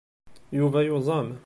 Yuba yuẓam.